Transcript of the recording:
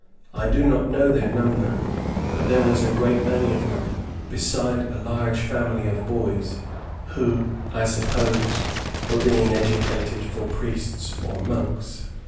I do not know their number, but there was a great many of them, besides a large family of boys, who, I suppose, were being educated for priests or monks.